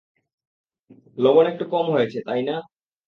লবন একটু কম হয়েছে, তাই না?